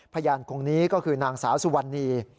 พยานคนนี้ก็คือนางสาวสุวรรณี